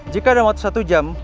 jika dalam waktu satu jam